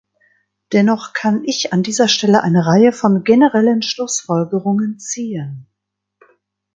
Dennoch kann ich an dieser Stelle eine Reihe von generellen Schlussfolgerungen ziehen.